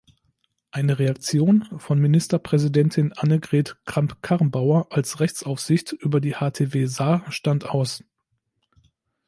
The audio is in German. Eine Reaktion von Ministerpräsidentin Annegret Kramp-Karrenbauer als Rechtsaufsicht über die htw saar stand aus.